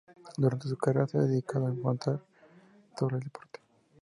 Durante su carrera se ha dedicado a informar sobre el deporte.